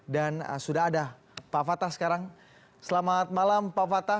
dan sudah ada pak fathah sekarang selamat malam pak fathah